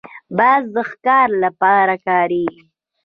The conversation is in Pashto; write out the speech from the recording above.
باز د ښکار لپاره کارېږي